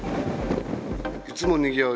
いつもにぎわう